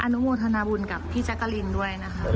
นุโมทนาบุญกับพี่แจ๊กกะลินด้วยนะคะ